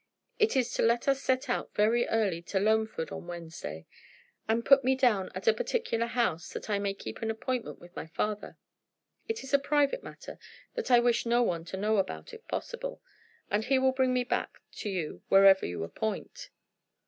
It is to let us set out very early to Loamford on Wednesday, and put me down at a particular house, that I may keep an appointment with my father. It is a private matter, that I wish no one to know about, if possible. And he will bring me back to you wherever you appoint."